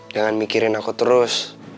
jangan mikirin aku terus